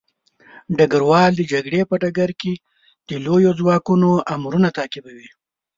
ډګروال د جګړې په ډګر کې د لويو ځواکونو امرونه تعقیبوي.